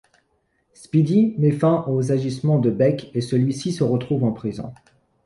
Spidey met fin aux agissements de Beck et celui-ci se retrouve en prison.